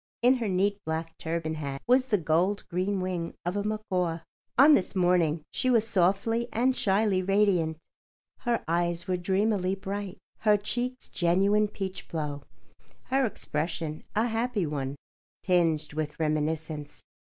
In her neat black turban hat was the gold green wing of a macaw. On this morning she was softly and shyly radiant. Her eyes were dreamily bright, her cheeks genuine peachblow, her expression a happy one, tinged with reminiscence.